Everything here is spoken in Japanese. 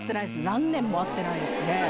何年も会ってないですね。